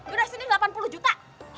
yaudah sini delapan puluh juta